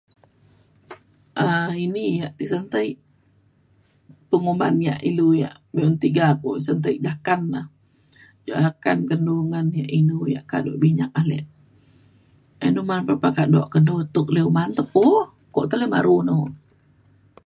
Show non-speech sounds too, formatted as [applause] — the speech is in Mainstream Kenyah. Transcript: um ini ia' tisen ti penguman ia' ilu ia' be'un tiga pa usen ti jakang na. jo ia' kan kendu ngan ia' inu ia' kado minyak alek [unintelligible] pelapah kado kenu tuk [unintelligible] uman um ko [unintelligible] baru no